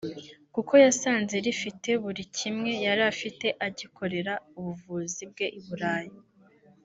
” kuko yasanze rifite buri kimwe yari afite agikorera ubuvuzi bwe i Burayi